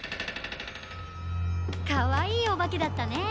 かわいいおばけだったね。